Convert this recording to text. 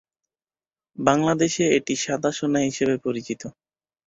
বাংলাদেশে এটি সাদা সোনা হিসেবে পরিচিত।